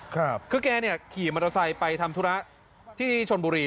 คือแกเนี่ยขี่มอเตอร์ไซค์ไปทำธุระที่ชนบุรี